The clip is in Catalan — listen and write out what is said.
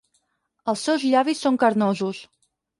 Els seus llavis són carnosos.